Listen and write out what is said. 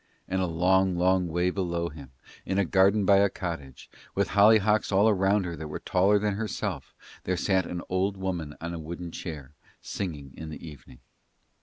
And a long, long way below him, in a garden by a cottage, with hollyhocks all round her that were taller than herself, there sat an old woman on a wooden chair, singing in the evening.